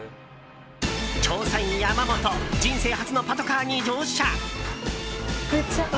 調査員ヤマモト人生初のパトカーに乗車。